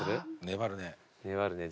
粘るね。